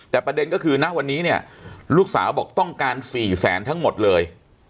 แต่ประเด็นก็คือณวันนี้เนี่ยลูกสาวบอกต้องการ๔แสนทั้งหมดเลย